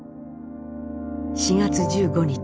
４月１５日